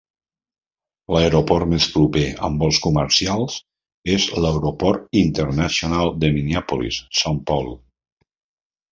L'aeroport més proper amb vols comercials és l'Aeroport Internacional de Minneapolis-Saint Paul.